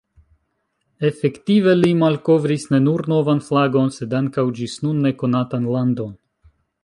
Efektive li malkovris ne nur novan flagon, sed ankaŭ ĝis nun nekonatan landon.